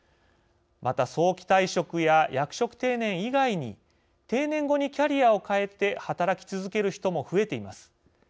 また早期退職や役職定年以外に定年後にキャリアを変えて働き続ける人も増えています。